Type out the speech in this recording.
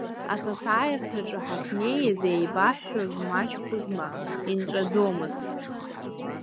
Асасаирҭаҿы ҳахьнеиз еибаҳҳәоз мачхәызма, инҵәаӡомызт.